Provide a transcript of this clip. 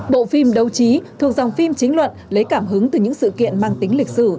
bộ phim đấu trí thuộc dòng phim chính luận lấy cảm hứng từ những sự kiện mang tính lịch sử